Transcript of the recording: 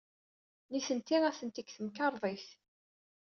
Nitenti atenti deg temkarḍit.